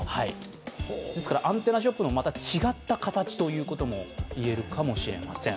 ですからアンテナショップのまた違った形ということが言えるかもしれません。